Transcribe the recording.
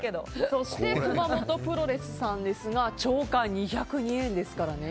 そして熊元プロレスさんですがチョーカー２０２円ですからね。